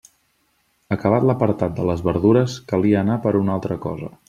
Acabat l'apartat de les verdures calia anar per una altra cosa.